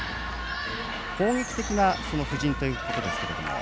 攻撃的な布陣ということですが。